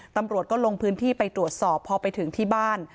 ตำรวจก็ลงพื้นที่ไปตรวจสอบพอไปถึงที่บ้าน